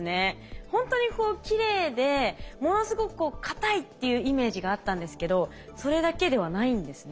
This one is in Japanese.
ほんとにこうきれいでものすごく硬いっていうイメージがあったんですけどそれだけではないんですね。